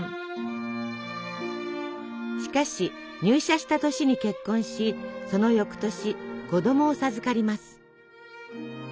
しかし入社した年に結婚しその翌年子どもを授かります。